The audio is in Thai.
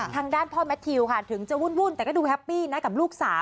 ทางด้านพ่อแมททิวค่ะถึงจะวุ่นแต่ก็ดูแฮปปี้นะกับลูกสาว